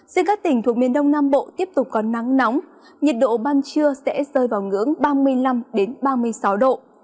riêng các tỉnh thuộc miền đông nam bộ tiếp tục có nắng nóng nhiệt độ ban trưa sẽ rơi vào ngưỡng ba mươi năm ba mươi sáu độ